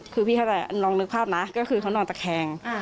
คือพี่เข้าใจลองนึกภาพนะก็คือเขานอนตะแคง